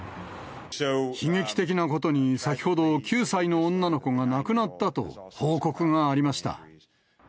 悲劇的なことに、先ほど９歳の女の子が亡くなったと報告がありました。